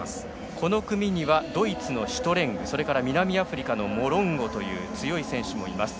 この組にはドイツのシュトレング南アフリカのモロンゴという強い選手もいます。